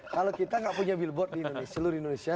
kalau kita nggak punya billboard di seluruh indonesia